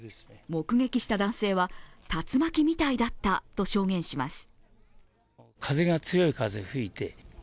目撃した男性は、竜巻みたいだったと証言します。